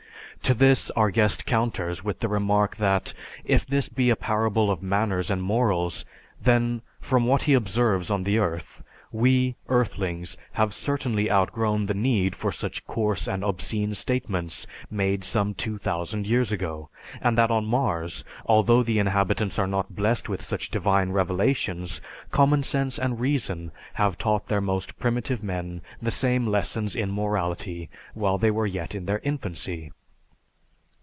To this, our guest counters with the remark that if this be a parable of manners and morals, then, from what he observes on the earth, we, Earthlings, have certainly outgrown the need for such coarse and obscene statements made some 2000 years ago; and that on Mars, although the inhabitants are not blessed with such divine revelations, common sense and reason have taught their most primitive men the same lessons in morality while they were yet in their infancy.